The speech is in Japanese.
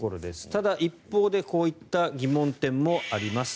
ただ、一方でこういった疑問点もあります。